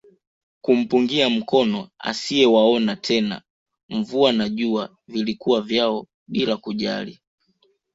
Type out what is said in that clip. Kumpungia mkono asiyewaona tena mvua na jua vilikuwa vyao bila kujali